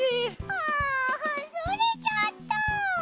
ああ外れちゃった。